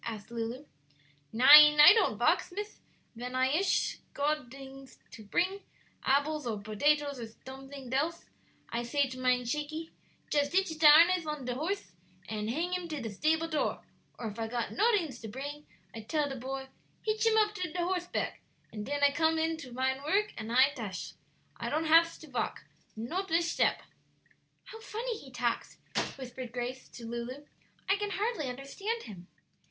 said Lulu. "Nein; I don't valks, miss; ven I ish god dings to pring abbles or botatoes or some dings else I say to mine Shakey, 'Just hitch de harness on de horse and hang him to de stable door;' or if I got nodings to pring I tells de poy, 'Hitch him up a horseback;' den I comes in to mine vork and I tash! I don't hafs to valk nod a shtep." "How funny he talks," whispered Grace to Lulu; "I can hardly understand him."